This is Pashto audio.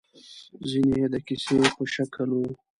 ځينې يې د کيسې په شکل وو.